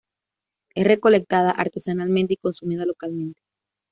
Es recolectada artesanalmente y consumida localmente.